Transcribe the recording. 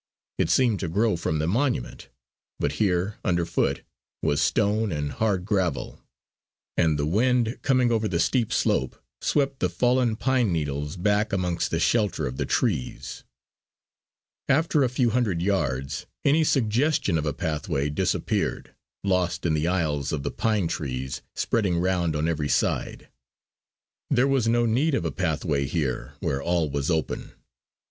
It seemed to grow from the monument, but here underfoot was stone and hard gravel; and the wind coming over the steep slope swept the fallen pine needles back amongst the shelter of the trees. After a few hundred yards any suggestion of a pathway disappeared, lost in the aisles of the pine trees spreading round on every side. There was no need of a pathway here where all was open.